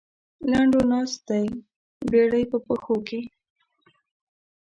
لنډو ناست دی بېړۍ په پښو کې.